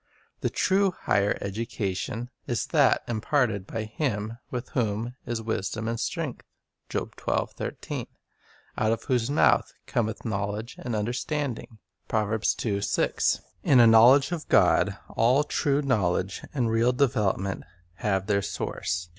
The true "higher education" is that imparted by Him with whom "is wisdom and strength;" 1 out of whose mouth "cometh knowledge and understanding. '"' In a knowledge of God, all true knowledge and real development have their source.